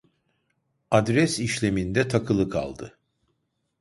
Adres işleminde takılı kaldı